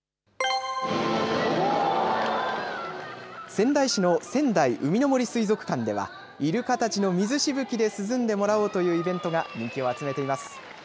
仙台市の仙台うみの杜水族館ではイルカたちの水しぶきで涼んでもらおうというイベントが人気を集めています。